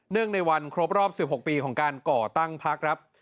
ในวันครบรอบ๑๖ปีของการก่อตั้งพักครับ